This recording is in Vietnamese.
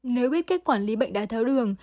nếu biết cách quản lý bệnh đáy tháo đường